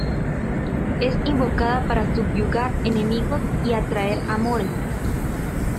Es invocada para subyugar enemigos y atraer amores.